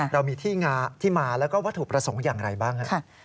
เรามีที่มาแล้วก็วัตถุประสงค์อย่างไรบ้างครับ